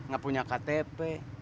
gak punya ktp